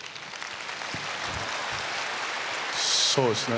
そうですね。